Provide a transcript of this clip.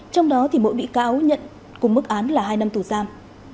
trong đó mỗi bị cáo nhận cùng mức án là hai năm tù giam